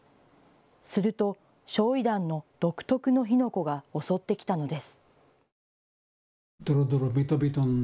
すると焼い弾の独特の火の粉が襲ってきたのです。